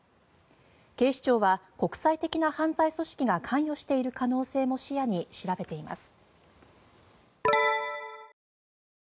警視庁は、国際的な犯罪組織が関与している可能性も視野に調べています。